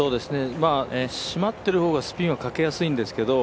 しまっている方がスピンはかけやすいんですけど